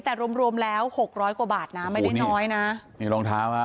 แต่รวมรวมแล้วหกร้อยกว่าบาทนะไม่ได้น้อยนะนี่รองเท้าฮะ